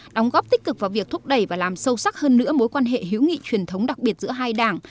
đóng góp tích cực vào việc thúc đẩy và làm sâu sắc hơn nữa mối quan hệ hữu nghị truyền thống đặc biệt giữa hai đảng